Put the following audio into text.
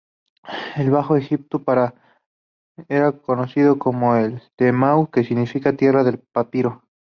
El Bajo Egipto era conocido como Ta-Mehu que significa "tierra del papiro".